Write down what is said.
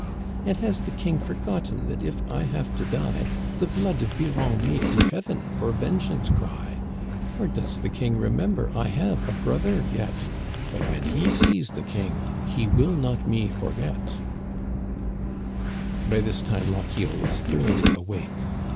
"* And has the king forgotten that if I have to die. The blood of Biron may to Heaven for vengance cry ? Or does the king remember I have a brother yet ? But when he sees the king he will not me forget* " By this time Lochiel was thoroughly awake.